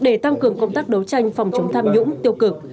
để tăng cường công tác đấu tranh phòng chống tham nhũng tiêu cực